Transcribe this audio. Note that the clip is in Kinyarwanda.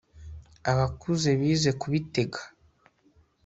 Abakuze bize kubitega